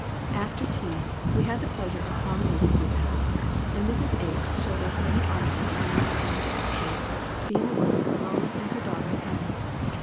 After tea, we had the pleasure of promenading through the house; and Mrs. H. showed us many articles of domestic manufacture, being the work of her own and her daughters' hands.